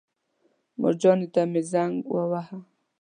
مورجانې ته مې زنګ وواهه.